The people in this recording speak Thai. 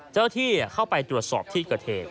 เจ้าหน้าที่เข้าไปตรวจสอบที่เกิดเหตุ